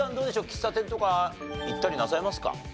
喫茶店とか行ったりなさいますか？